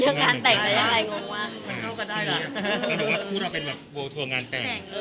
คุณคุณว่าคู่เราเป็นโวทัลงานแต่ง